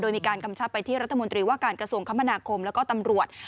โดยมีการกำชับไปที่รัฐมนตรีว่าการกระทรวงคมนาคมแล้วก็ตำรวจ